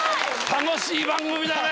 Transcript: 楽しい番組だね！